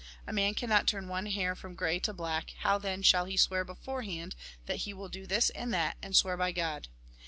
A man cannot turn one hair from grey to black ; how then shall he swear beforehand, that he will do this and that, and swear by God